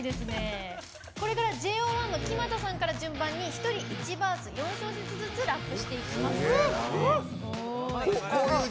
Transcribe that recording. これからＪＯ１の木全さんから順番に１人１バース４小節ずつラップしていきます。